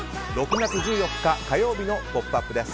６月１４日、火曜日の「ポップＵＰ！」です。